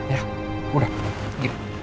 ya sudah gitu